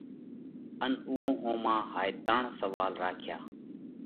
ان اُوئون ۿوما هائي ترڻ سوئال راکيا۔